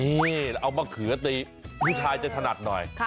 นี่แล้วเอามะเขือตีผู้ชายจะถนัดหน่อย